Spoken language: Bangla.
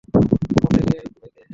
মন থেকে ভয় ঝেড়ে ফেলুন।